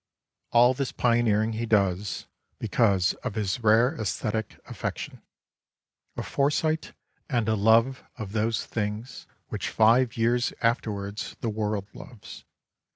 All this pioneering he does, because of his rare aesthetic affection, — a foresight and a love of those things, which five years afterwards the w T orld loves.